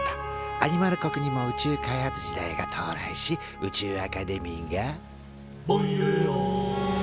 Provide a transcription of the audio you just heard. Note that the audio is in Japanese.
アニマル国にも宇宙開発時代が到来し宇宙アカデミーが「ぼんよよよん」と誕生。